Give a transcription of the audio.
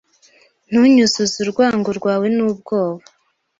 Ntunyuzuze urwango rwawe n'ubwoba .